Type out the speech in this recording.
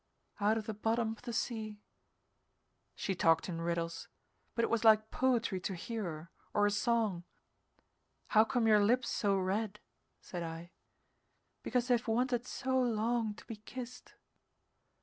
"Out of the bottom of the sea." She talked in riddles, but it was like poetry to hear her, or a song. "How come your lips so red?" said I. "Because they've wanted so long to be kissed."